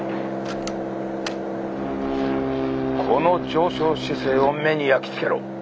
この上昇姿勢を目に焼き付けろ！